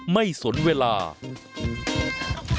มันใหม่